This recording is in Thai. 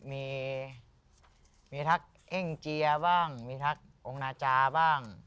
มีทักเอ้งเจียบ้างมีทักองค์นาจาบ้าง